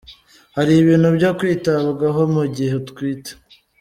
Hari ibintu byo kwitabwaho mu gihe utwite.